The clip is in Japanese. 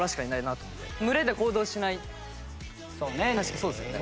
確かそうですよね？